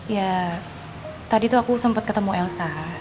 ya tadi tuh aku sempat ketemu elsa